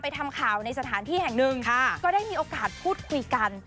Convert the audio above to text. ทำข่าวในสถานที่แห่งหนึ่งก็ได้มีโอกาสพูดคุยกัน